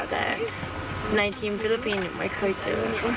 แต่ในทีมฟิลิปปินส์ไม่เคยเจอ